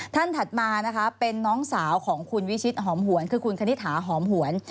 ถัดมานะคะเป็นน้องสาวของคุณวิชิตหอมหวนคือคุณคณิตถาหอมหวน